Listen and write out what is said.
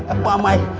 aduh pak mai